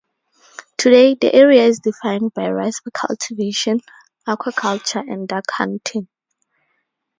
Today, the area is defined by rice cultivation, aquaculture and duck hunting.